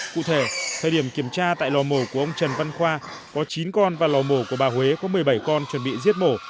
cụ thể thời điểm kiểm tra tại lò mổ của ông trần văn khoa có chín con và lò mổ của bà huế có một mươi bảy con chuẩn bị giết mổ